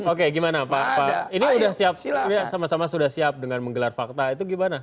oke gimana pak ini sama sama sudah siap dengan menggelar fakta itu gimana